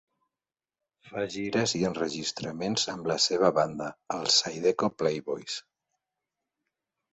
Fa gires i enregistraments amb la seva banda, els Zydeco Playboys.